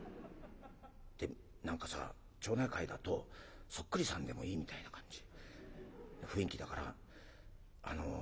で何かさ町内会だとそっくりさんでもいいみたいな感じな雰囲気だから俺もいろいろ考えたんだ。